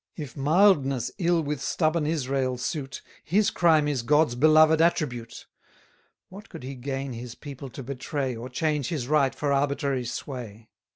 If mildness ill with stubborn Israel suit, His crime is God's beloved attribute. What could he gain his people to betray, Or change his right for arbitrary sway?